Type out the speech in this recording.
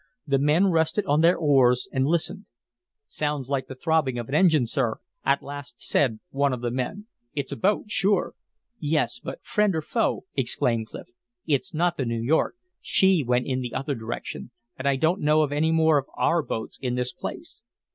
The men rested on their oars and listened. "Sounds like the throbbing of an engine, sir," at last said one of the men. "It's a boat, sure." "Yes, but friend or foe?" exclaimed Clif. "It's not the New York. She went in the other direction, and I don't know of any more of our boats in this place."